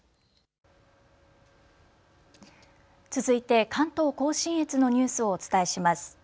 続いて関東甲信越のニュースをお伝えします。